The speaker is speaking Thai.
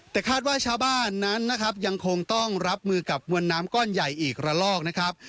แต่คาดว่าชาวบ้านนั้นนะครับยังคงต้องรับมือกับมวลน้ำก้อนใหญ่อีกระลอกนะครับ